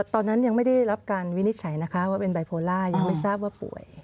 ตอนนั้นยังไม่ได้รับการวินิจฉัยนะคะว่าเป็นไบโพล่ายังไม่ทราบว่าป่วย